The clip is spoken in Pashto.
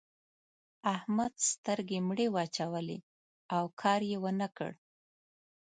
احمد سترګې مړې واچولې؛ او کار يې و نه کړ.